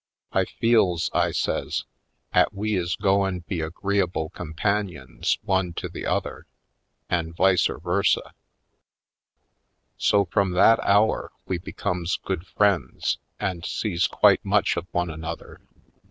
I feels," I says, " 'at we is goin' be agreeable companions one to the other an' vice or versa." So from that hour we becomes good friends and sees quite much of one another.